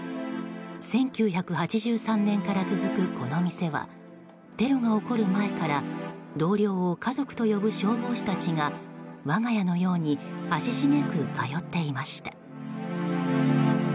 １９８３年から続くこの店はテロが起こる前から同僚を家族と呼ぶ消防士たちが我が家のように足しげく通っていました。